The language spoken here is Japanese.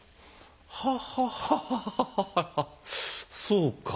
はははあそうか。